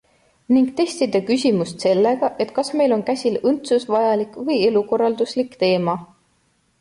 Ning testida küsimust sellega, et kas meil on käsil õndsusvajalik või elukorralduslik teema.